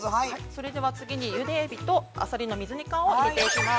◆それでは次にあさりの水煮缶を入れていきます。